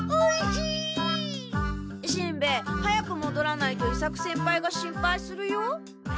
しんべヱ早くもどらないと伊作先輩が心配するよ。